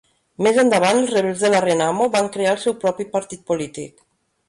Més endavant, els rebels de la Renamo van crear el seu propi partit polític.